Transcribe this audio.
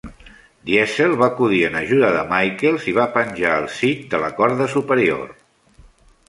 Diesel va acudir en ajuda de Michaels i va penjar el Sid de la corda superior.